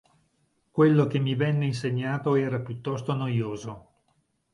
Quello che mi venne insegnato era piuttosto noioso.